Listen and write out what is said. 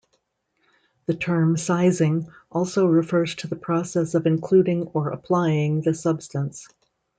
The term "sizing" also refers to the process of including or applying the substance.